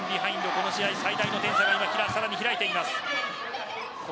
この試合最大の点差が開いています。